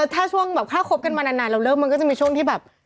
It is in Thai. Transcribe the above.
ถ้าช่วงแบบถ้าคบกันมานานเราเริ่มมันก็จะมีช่วงที่แบบ